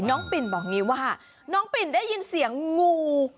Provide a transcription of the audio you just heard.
ปิ่นบอกอย่างนี้ว่าน้องปิ่นได้ยินเสียงงู